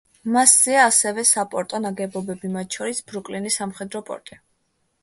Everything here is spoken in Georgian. მასზეა ასევე საპორტო ნაგებობები, მათ შორის ბრუკლინის სამხედრო პორტი.